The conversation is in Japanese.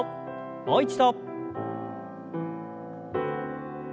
もう一度。